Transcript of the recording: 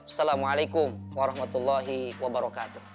assalamualaikum warahmatullahi wabarakatuh